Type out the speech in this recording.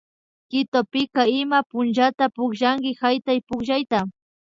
Quitopika ima punllata pukllanki haytaypukllayta